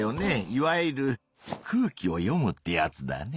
いわゆる空気を読むってやつだね。